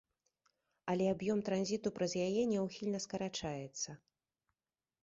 Але аб'ём транзіту праз яе няўхільна скарачаецца.